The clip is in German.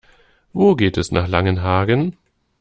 Wo geht es nach Langenhagen?